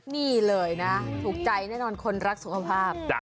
นี่เลยนะถูกใจแน่นอนคนรักสุขภาพ